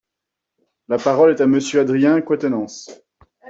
La parole est à Monsieur Adrien Quatennens.